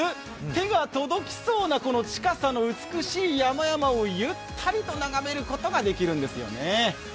手が届きそうな山々をゆったりと眺めることができるんですよね。